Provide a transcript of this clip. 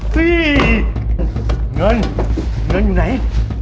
ที่เงินเงินอยู่ไหน